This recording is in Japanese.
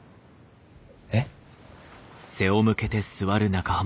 えっ？